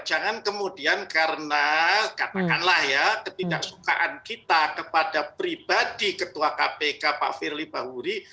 jangan kemudian karena katakanlah ya ketidaksukaan kita kepada pribadi ketua kpk pak firly bahuri